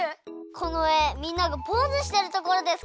このえみんながポーズしてるところですかね？